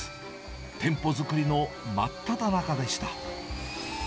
店舗作りの真っただ中でした。